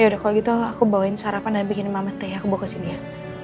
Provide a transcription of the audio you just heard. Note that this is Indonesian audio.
ya udah kalau gitu aku bawain sarapan dan bikin mama teh ya aku bawa kesini ya